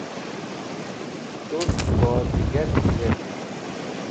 Tut bozigar tiwetk